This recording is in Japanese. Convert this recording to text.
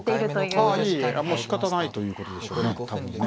もうしかたないということでしょうね多分ね。